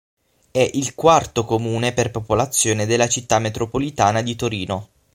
È il quarto comune per popolazione della Città metropolitana di Torino.